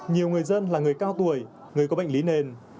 nhiều người dân là người cao tuổi người có bệnh lý nền